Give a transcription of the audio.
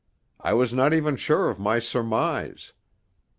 I was not even sure of my surmise.